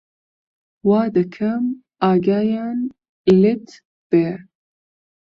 وا دەکەم ئاگایان لێت بێ